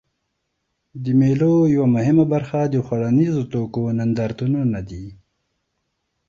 د مېلو یوه مهمه برخه د خوړنیزو توکو نندارتونونه دي.